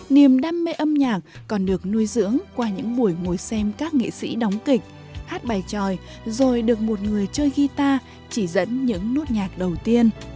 niềm đam mê âm nhạc còn được nuôi dưỡng qua những buổi ngồi xem các nghệ sĩ đóng kịch hát bài tròi rồi được một người chơi guitar chỉ dẫn những nốt nhạc đầu tiên